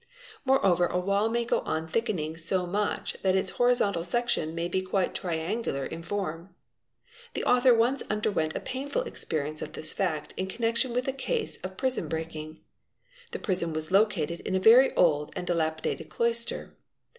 Moreover a wall may go on thickening so much that its horizontal section may be quite triangular in form. The author once underwent a painful experience of this fact in + connection with a case of prison breaking. The prison was located in a very old and dilapidated cloister.